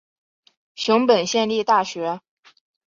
熊本县立大学